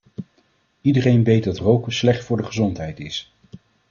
Iedereen weet dat roken slecht voor de gezondheid is.